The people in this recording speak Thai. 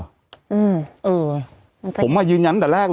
แต่หนูจะเอากับน้องเขามาแต่ว่า